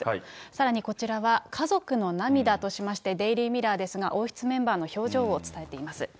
さらに、こちらは家族の涙としまして、デイリー・ミラーですが、王室メンバーの表情を伝えています。